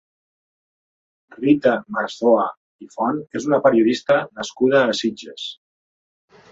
Rita Marzoa i Font és una periodista nascuda a Sitges.